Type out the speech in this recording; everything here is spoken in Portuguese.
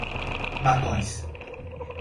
Matões